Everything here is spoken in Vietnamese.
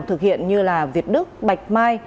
thực hiện như việt đức bạch mai